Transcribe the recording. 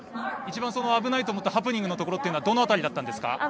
一番、危ないと思ったハプニングのところはどの辺りだったんですか？